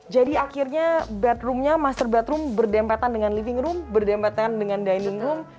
jadi akhirnya master bedroom berdempatan dengan living room berdempatan dengan dining room